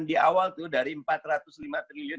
di awal tuh dari empat ratus lima triliun